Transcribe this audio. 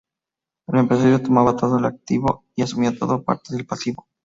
El empresario tomaba todo el activo y asumía todo o parte del pasivo.